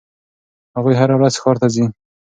هغوی هره ورځ ښار ته ځي.